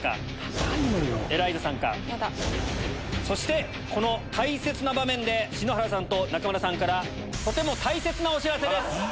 そしてこの大切な場面で篠原さんと中村さんからとても大切なお知らせです。